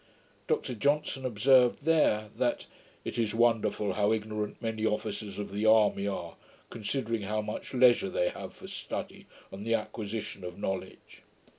Dr Johnson observed there, that 'it is wonderful how ignorant many officers of the army are, considering how much leisure they have for study, and the acquisition of knowledge.'